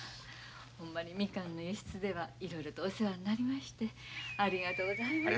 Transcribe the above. ほんまにみかんの輸出ではいろいろとお世話になりましてありがとうございました。